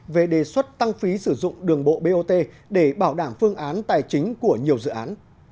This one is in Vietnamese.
về đề xuất tăng phí sử dụng đường bộ bot để bảo đảm phương án tài chính của nhiều dự án